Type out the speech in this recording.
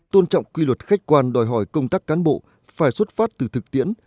tôn trọng quy luật khách quan đòi hỏi công tác cán bộ phải xuất phát từ thực tiễn